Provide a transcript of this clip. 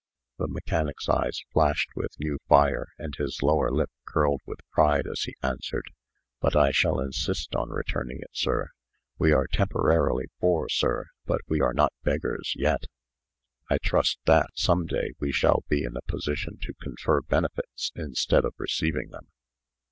The mechanic's eyes flashed with new fire, and his lower lip curved with pride, as he answered: "But I shall insist on returning it, sir. We are temporarily poor, sir; but we are not beggars yet, I trust that, some day, we shall be in a position to confer benefits, instead of receiving them."